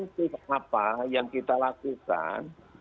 kita kebijakan preemptive apa yang kita lakukan